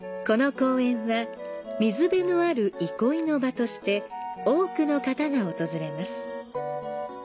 この公園は水辺のある憩いの場として多くの方が訪れます。